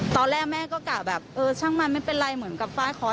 ตอนแรกแม่ก็กล่าวแบบช่างมาไม่เป็นไรเหมือนกับ๕๔